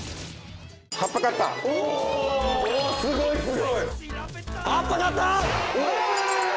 すごい。